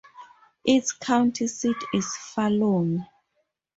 Its county seat is Fallon.